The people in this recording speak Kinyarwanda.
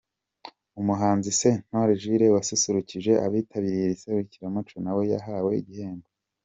Umuhanzi Sentore Jules wasusurukije abitabiriye iri serukiramuco nawe yahawe igihembo.